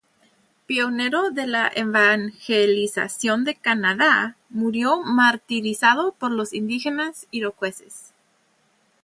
Pionero de la evangelización de Canadá, murió martirizado por los indígenas iroqueses.